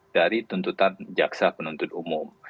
dari tuntutan jaksa penuntut umum